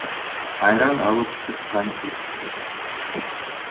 Айран алып чыккан эшикке.